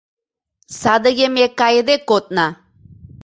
Садыге ме кайыде кодна.